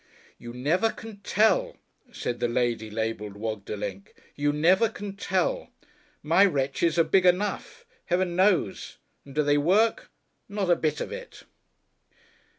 "You never can tell," said the lady labelled "Wogdelenk;" "you never can tell. My wretches are big enough, Heaven knows, and do they work? Not a bit of it!"...